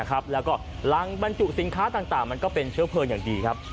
การ์ท